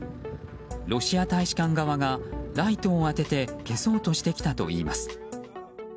ロシア大使館側がライトを当てて消そうとしてきたといいます。